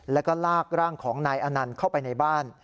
แล้วก็ลากร่างของนายอนันต์เข้าไปในบ้าน